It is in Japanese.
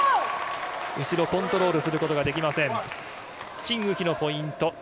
後ろをコントロールすることができません、チン・ウヒのポイント。